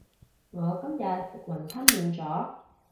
我今日食雲吞麵咗